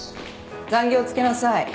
残業付けなさい。